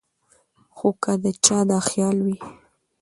خو کۀ د چا دا خيال وي